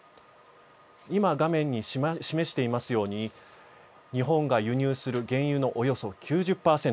今、画面に示していますように日本が輸入する原油のおよそ９０％